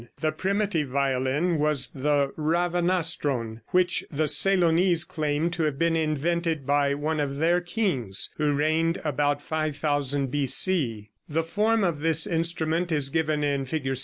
The primitive violin was the ravanastron, which the Ceylonese claim to have been invented by one of their kings, who reigned about 5000 B.C. The form of this instrument is given in Fig.